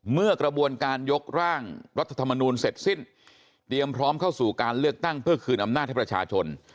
เมื่อกระบวนการยกร่างรัฐธรรมนูลเสร็จสิ้นเตรียมพร้อมเข้าสู่การเลือกตั้งเพื่อคืนอำนาจให้ประชาชน